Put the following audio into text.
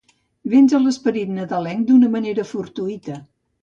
Vens a l'esperit nadalenc d'una manera fortuïta.